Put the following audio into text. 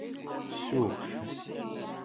Sukk.